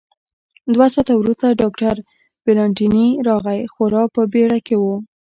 دوه ساعته وروسته ډاکټر والنتیني راغی، خورا په بېړه کې و.